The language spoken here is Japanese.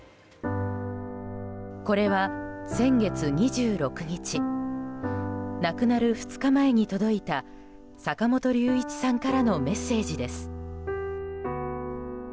これは先月２６日亡くなる２日前に届いた坂本龍一さんからのメッセージです。